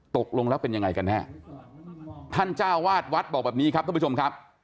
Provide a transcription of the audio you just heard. ตกลงแล้วเป็นยังไงกันแน่ท่านเจ้าวาดวัดบอกแบบนี้ครับท่านผู้ชมครับ